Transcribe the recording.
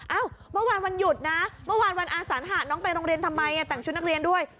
เมื่อวานวันหยุดนะเมื่อวานวันอาสานหะน้องไปโรงเรียนทำไมแต่งชุดนักเรียนด้วย